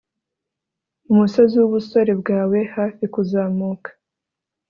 umusozi wubusore bwawe hafi kuzamuka